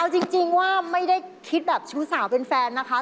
เอาจริงว่าไม่ได้คิดแบบชู้สาวเป็นแฟนนะคะ